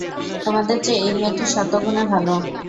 তোমাদের চেয়ে এই মেয়েটি শতগুণে ভাল।